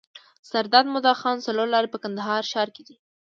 سرداد مدخان څلور لاری په کندهار ښار کي دی.